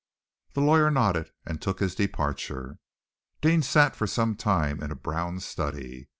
The lawyer nodded and took his departure. Deane sat for some time in a brown study.